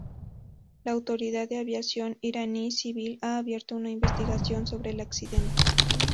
La Autoridad de Aviación Iraní Civil ha abierto una investigación sobre el accidente.